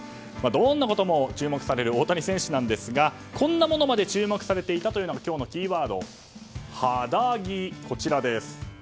どんなことも注目される大谷選手なんですがこんなものまで注目されていたというのが今日のキーワード、ハダギ。